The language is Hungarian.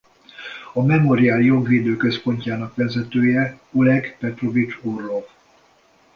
A Memorial jogvédő központjának vezetője Oleg Petrovics Orlov.